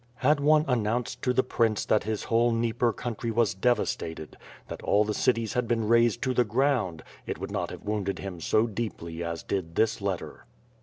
Had one announced to the prince that his whole Dnieper country was devastated; that all the cities had ben razed to the ground, it would not have wounded him so deeply as did this letter.